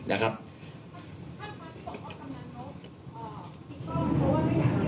อ่อติดกล้องเพราะว่าไม่อยากอ่า